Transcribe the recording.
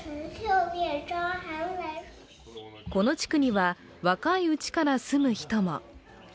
この地区には、若いうちから住む人も。